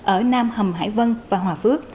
ở nam hầm hải vân và hòa phước